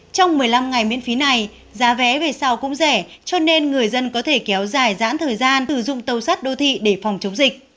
trong một mươi năm ngày miễn phí này giá vé về sau cũng rẻ cho nên người dân có thể kéo dài giãn thời gian sử dụng tàu sắt đô thị để phòng chống dịch